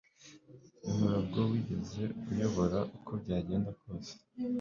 ntabwo wigeze uyobora uko byagenda kose